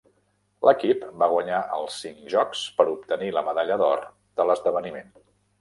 L'equip va guanyar els cinc jocs per obtenir la medalla d'or de l'esdeveniment.